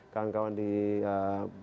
kawan kawan di kementerian pu sendiri